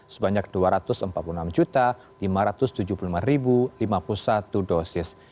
sebanyak dua ratus empat puluh enam lima ratus tujuh puluh lima lima puluh satu dosis